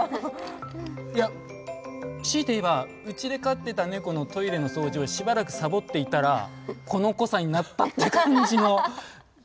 強いて言えばうちで飼ってたネコのトイレの掃除をしばらくサボっていたらこの濃さになったって感じのニオイですよ。